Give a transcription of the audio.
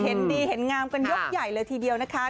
เห็นดีเห็นงามกันยกใหญ่เลยทีเดียวนะคะ